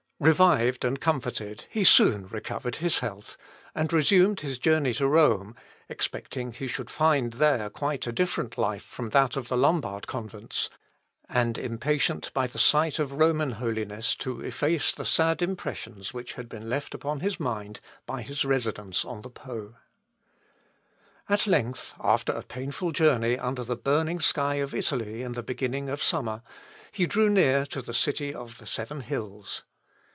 Revived and comforted, he soon recovered his health, and resumed his journey to Rome, expecting he should there find quite a different life from that of the Lombard convents, and impatient by the sight of Roman holiness to efface the sad impressions which had been left upon his mind by his residence on the Pô. Luth. Op. (W.) xx, p. 1468. Matth. Dresser. Hist. Lutheri. At length, after a painful journey under the burning sky of Italy in the beginning of summer, he drew near to the city of the seven hills.